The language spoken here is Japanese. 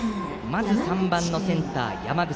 まず３番センター、山口。